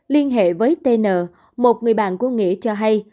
liên hệ với tn một người bạn của nghĩa cho hay